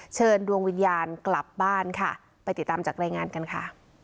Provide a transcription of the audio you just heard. เชิญดวงวิญญาณกลับบ้านค่ะไปติดตามจากรายงานกันค่ะ